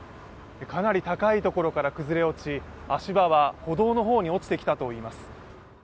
かなり高い所から崩れ落ち、足場は歩道の方に落ちてきたといいます。